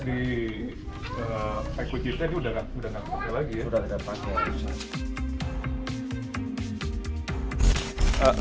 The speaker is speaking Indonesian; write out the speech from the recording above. udah tidak ada lagi